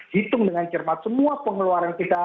hitung dengan cermat semua pengeluaran kita